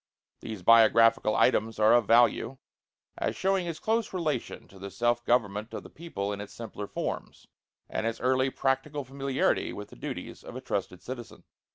These biographical items are of value, as showing his close relation to the self government of the people in its simpler forms, and his early practical familiarity with the duties of a trusted citizen.